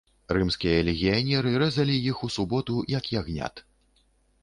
Рымскія легіянеры рэзалі іх у суботу, як ягнят.